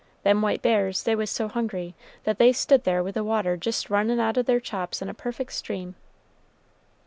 Them white bears, they was so hungry, that they stood there with the water jist runnin' out of their chops in a perfect stream."